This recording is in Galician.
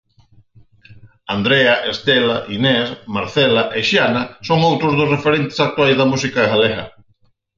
Andrea, Estela, Inés, Marcela e Xiana son outros dos referentes actuais da música galega.